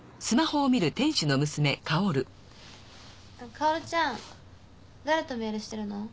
薫ちゃん誰とメールしてるの？